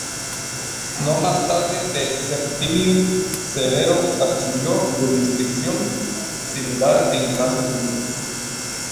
No más tarde de Septimio Severo adquirió jurisdicción similar en casos civiles.